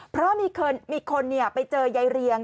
เพราะมีคนไปเจอยายเรียง